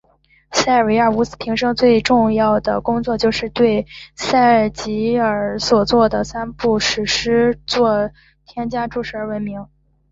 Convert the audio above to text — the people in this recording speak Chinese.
塞尔维乌斯平生最为重要的工作就是对维吉尔所着作的三部史诗杰作添加注释而闻名。